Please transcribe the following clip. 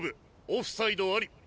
オフサイドあり。